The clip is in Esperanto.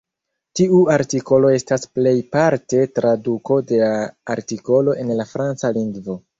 Tiu artikolo estas plejparte traduko de la artikolo en la franca lingvo.